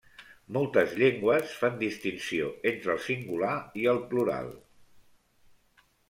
Moltes llengües fan distinció entre el singular i el plural.